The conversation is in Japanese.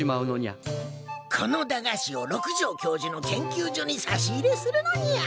この駄菓子を六条教授の研究所に差し入れするのにゃ。